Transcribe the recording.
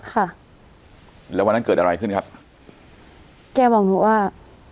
ค่ะแล้ววันนั้นเกิดอะไรขึ้นครับแกบอกหนูว่า